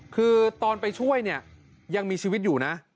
คือตอนไปช่วยเนี่ยยังมีชีวิตอยู่นะ